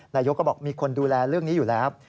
นายกก็บอกมีคนดูแลเรื่องนี้อยู่แล้ว